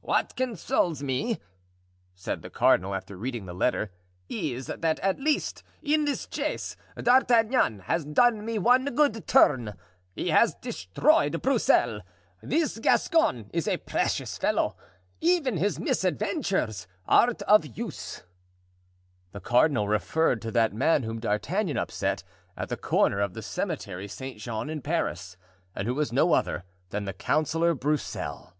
"What consoles me," said the cardinal after reading the letter, "is that, at least, in this chase, D'Artagnan has done me one good turn—he has destroyed Broussel. This Gascon is a precious fellow; even his misadventures are of use." The cardinal referred to that man whom D'Artagnan upset at the corner of the Cimetiere Saint Jean in Paris, and who was no other than the Councillor Broussel.